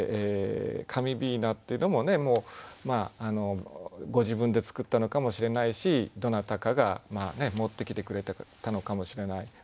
「紙雛」っていうのもご自分で作ったのかもしれないしどなたかが持ってきてくれたのかもしれない。